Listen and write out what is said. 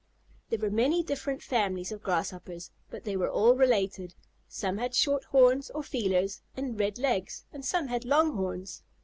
There were many different families of Grasshoppers, but they were all related. Some had short horns, or feelers, and red legs; and some had long horns.